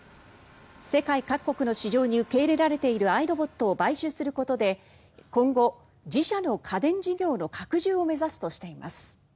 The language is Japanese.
世界各国の市場に受けられているアイロボットを買収することで今後、自社の家電事業の拡充を目指すとしています。